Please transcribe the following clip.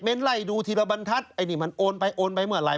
ไล่ดูทีละบรรทัศน์ไอ้นี่มันโอนไปโอนไปเมื่อไหร